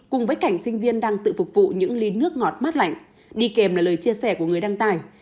cùng với cảnh sinh viên đang tự phục vụ những ly nước ngọt mát lạnh đi kèm là lời chia sẻ của người đăng tải